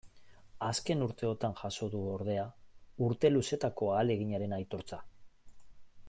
Azken urteotan jaso du, ordea, urte luzetako ahaleginaren aitortza.